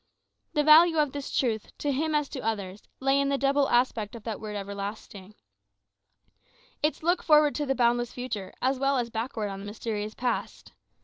The value of this truth, to him as to others, lay in the double aspect of that word "everlasting;" its look forward to the boundless future, as well as backward on the mysterious past.